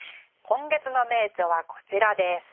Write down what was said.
今月の名著はこちらです。